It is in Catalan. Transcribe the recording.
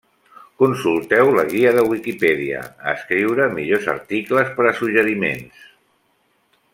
Consulteu la guia de Wikipedia a escriure millors articles per a suggeriments.